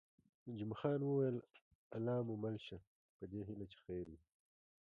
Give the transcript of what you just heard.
جمعه خان وویل: الله مو مل شه، په دې هیله چې خیر وي.